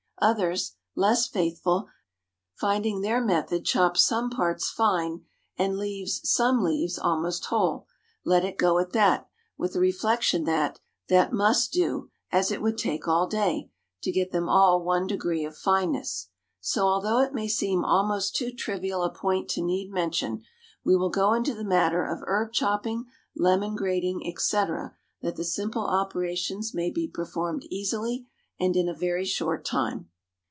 Others, less faithful, finding their method chops some parts fine and leaves some leaves almost whole, let it go at that, with the reflection that "that must do, as it would take all day" to get them all one degree of fineness. So, although it may seem almost too trivial a point to need mention, we will go into the matter of herb chopping, lemon grating, etc., that the simple operations may be performed easily and in a very short time.